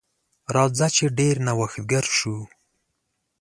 راځه چې ډیر نوښتګر شو.